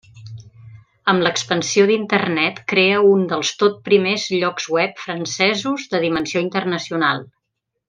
Amb l’expansió d’Internet crea un dels tot primers llocs web francesos de dimensió internacional.